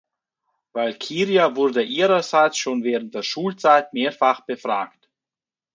Walkiria wurde ihrerseits schon während der Schulzeit mehrfach befragt.